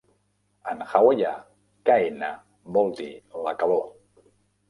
En hawaià, "kaena" vol dir "la calor".